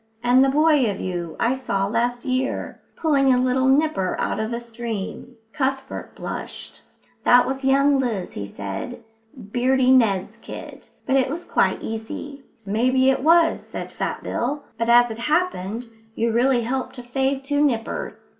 And the boy of you I saw last year, pulling a little nipper out of a stream." Cuthbert blushed. "That was young Liz," he said, "Beardy Ned's kid, but it was quite easy." "Maybe it was," said Fat Bill, "but, as it happened, you really helped to save two nippers.